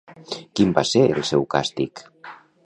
Quin va ser el seu càstig?